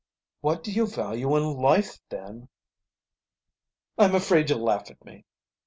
"What do you value in life then?" "I'm afraid you'll laugh at me.